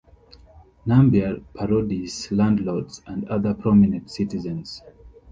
Nambiar parodies landlords and other prominent citizens.